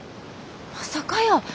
まさかやー。